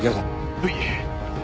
はい。